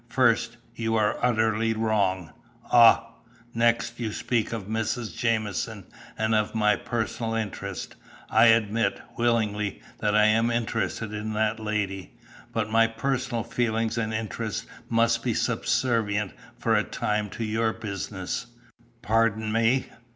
First, you are utterly wrong." "Ah!" "Next, you speak of Mrs. Jamieson, and of my 'personal interest.' I admit, willingly, that I am interested in that lady. But my personal feelings and interests must be subservient for a time to your business." "Pardon me."